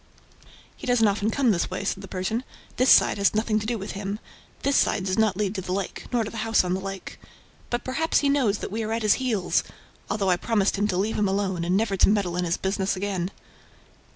"He doesn't often come this way," said the Persian. "This side has nothing to do with him. This side does not lead to the lake nor to the house on the lake ... But perhaps he knows that we are at his heels ... although I promised him to leave him alone and never to meddle in his business again!"